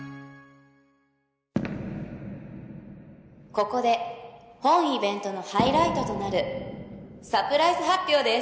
ここで本イベントのハイライトとなるサプライズ発表です。